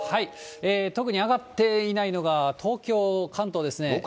特に上がっていないのが東京、関東ですね。